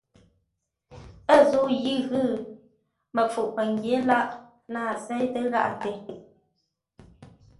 Ə̂ zə̂u yi ə́ ghʉ̌, məpfuʼ pəngyě lâʼ nâa séitə́ gháʼate.